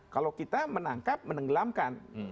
kalau kita menangkap menenggelamkan